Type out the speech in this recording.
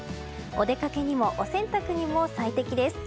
お出かけにもお洗濯にも最適です。